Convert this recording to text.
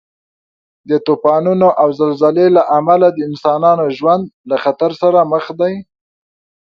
د طوفانو او زلزلې له امله د انسانانو ژوند له خطر سره مخ دی.